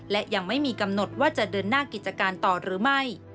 และยังไม่มีกำหนดว่าจะเดินหน้ากิจการต่อหรือไม่